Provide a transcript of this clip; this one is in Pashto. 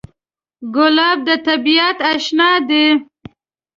ګلاب د طبیعت اشنا دی.